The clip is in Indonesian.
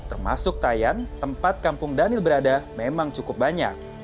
termasuk tayan tempat kampung daniel berada memang cukup banyak